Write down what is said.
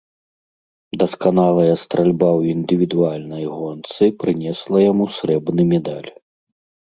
Дасканалая стральба ў індывідуальнай гонцы прынесла яму срэбны медаль.